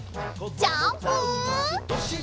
ジャンプ！